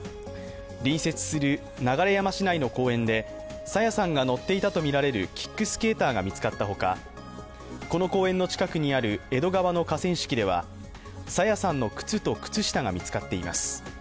隣接する流山市内の公園で朝芽さんが乗っていたとみられるキックスケーターが見つかったほかこの公園の近くにある江戸川の河川敷では朝芽さんの靴と靴下が見つかっています。